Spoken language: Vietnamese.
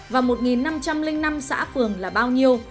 và một năm trăm linh năm xã phường là bao nhiêu